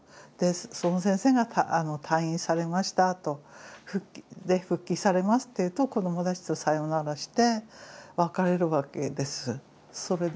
その先生が退院されましたとで復帰されますというと子どもたちとさよならして別れるわけです。